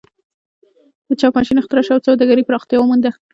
د چاپ ماشین اختراع شو او سوداګري پراختیا ومونده.